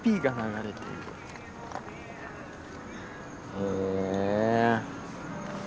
へえ。